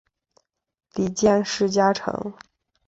里见氏家臣。